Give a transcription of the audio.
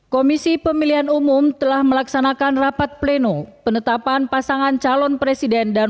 komisi pemilihan umum telah melaksanakan rapat pleno penetapan pasangan calon presiden dan